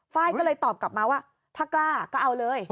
ไฟล์ก็เลยตอบกลับมาว่าถ้ากล้าก็เอาเลย